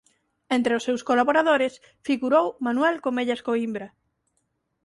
Entre os seus colaboradores figurou Manuel Comellas Coímbra.